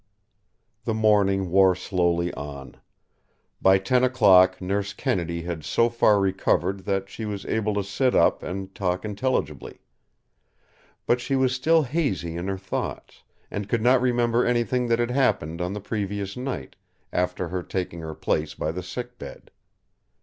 The morning wore slowly on. By ten o'clock Nurse Kennedy had so far recovered that she was able to sit up and talk intelligibly. But she was still hazy in her thoughts; and could not remember anything that had happened on the previous night, after her taking her place by the sick bed.